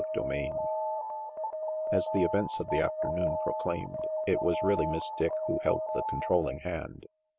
CHAPTER VI As the events of the afternoon proclaimed, it was really Miss Dick who held the controlling hand.